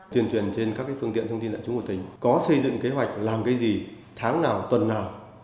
tuyên truyền trên các phương tiện thông tin đại chúng của tỉnh có xây dựng kế hoạch làm cái gì tháng nào tuần nào